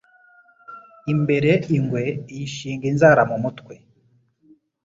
imbere ingwe iyishinga inzara mu mutwe